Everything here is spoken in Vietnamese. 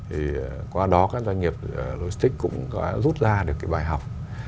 thì qua đó các doanh nghiệp logistics cũng có rút ra được cái bài học